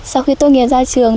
sau khi tốt nghiệp ra trường